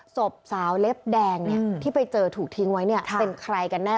ศพสาวเล็บแดงที่ไปเจอถูกทิ้งไว้เนี่ยเป็นใครกันแน่